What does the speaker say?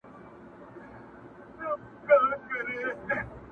که هر څو ښراوي وکړې زیارت تاته نه رسیږي،